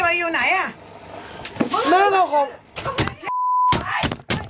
มึงทำอย่างงี้